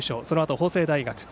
そのあとは法政大学。